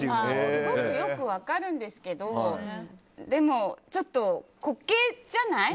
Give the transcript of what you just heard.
すごくよく分かるんですけどでも、滑稽じゃない？